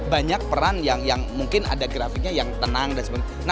banyak peran yang mungkin ada grafiknya yang tenang dan sebagainya